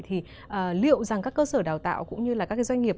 thì liệu rằng các cơ sở đào tạo cũng như là các cái doanh nghiệp